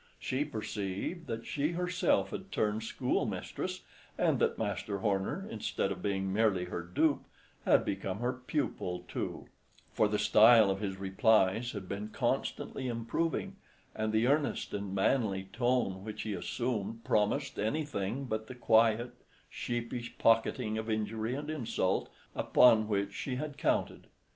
She perceived that she herself had turned schoolmistress, and that Master Horner, instead of being merely her dupe, had become her pupil too; for the style of his replies had been constantly improving and the earnest and manly tone which he assumed promised any thing but the quiet, sheepish pocketing of injury and insult, upon which she had counted.